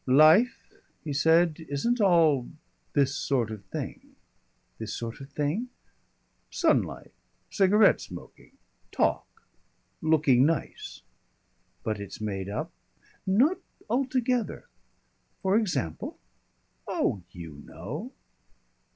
"Life," he said, "isn't all this sort of thing." "This sort of thing?" "Sunlight. Cigarette smoking. Talk. Looking nice." "But it's made up " "Not altogether." "For example?" "Oh, you know."